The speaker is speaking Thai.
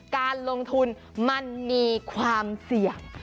การลงทุนมันมีความเสี่ยง